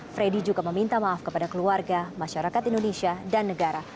freddy juga meminta maaf kepada keluarga masyarakat indonesia dan negara